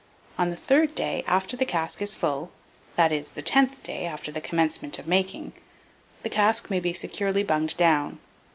On the ''third' day after the cask is full, that is, the 'tenth' day after the commencement of making, the cask may be securely bunged down.